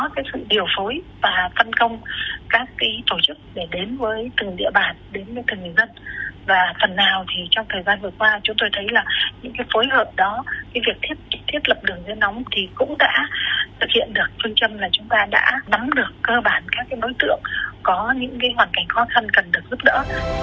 chúng ta đã đắm được cơ bản các đối tượng có những hoàn cảnh khó khăn cần được giúp đỡ